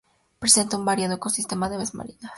Presenta un variado ecosistema de aves marinas.